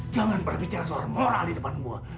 jangan berbicara suara moral di depan gua